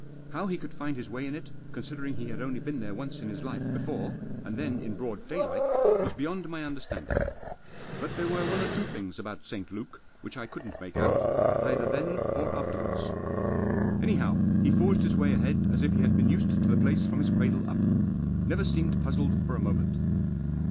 How he could find his way in it, considering he had Digitized by THE THRONE IN THE CENTRE. 24l only been there once in his life before, and then in broad daylight, was beyond my understanding. But there were one or two things about St. Luke which I couldn't make out, either then or afterwards. Any how he forged his way ahead as if he had been used to the place from his cradle up. Never seemed puzzled for a moment.